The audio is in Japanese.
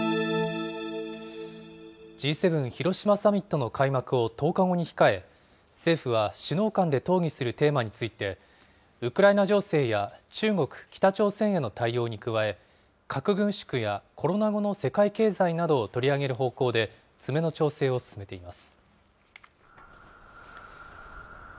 Ｇ７広島サミットの開幕を１０日後に控え、政府は首脳間で討議するテーマについて、ウクライナ情勢や中国、北朝鮮の核軍縮の対応に加え、核軍縮やコロナ後の世界経済などを取り上げる方向で詰めの調整を進めています。